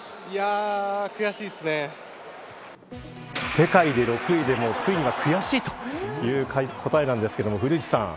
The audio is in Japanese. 世界で６位でも悔しいという答えなんですけれども古市さん。